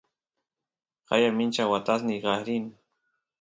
qaya mincha watasniy kaq rin